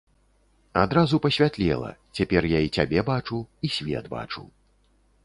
Адразу пасвятлела, цяпер я і цябе бачу, і свет бачу.